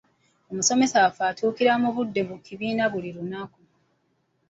Omusomesa waffe atuukira mu budde mu kibiina buli lunaku.